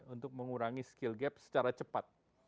untuk mengurangi skill gap secara cepat